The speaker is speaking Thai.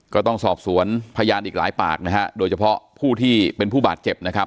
ก็ต้องสอบสวนพยานอีกหลายปากนะฮะโดยเฉพาะผู้ที่เป็นผู้บาดเจ็บนะครับ